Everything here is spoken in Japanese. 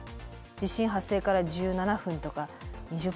地震発生から１７分とか２０分とか。